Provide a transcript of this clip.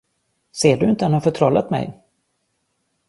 Ser du inte hur han har förtrollat mig?